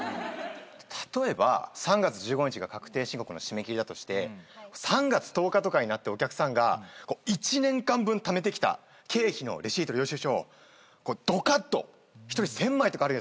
例えば３月１５日が確定申告の締め切りだとして３月１０日とかになってお客さんが１年間分ためてきた経費のレシート領収書をどかっと１人１，０００枚とかあるやつを渡してくるわけです。